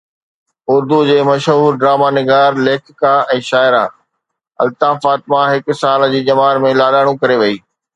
اردو جي مشهور ڊراما نگار، ليکڪا ۽ شاعره الطاف فاطمه هڪ سال جي ڄمار ۾ لاڏاڻو ڪري وئي